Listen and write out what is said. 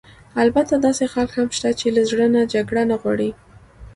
البته داسې خلک هم شته چې له زړه نه جګړه نه غواړي.